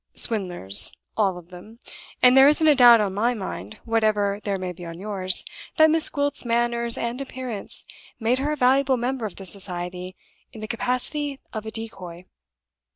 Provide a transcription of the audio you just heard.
Swindlers, all of them; and there isn't a doubt on my mind, whatever there may be on yours, that Miss Gwilt's manners and appearance made her a valuable member of the society in the capacity of a decoy.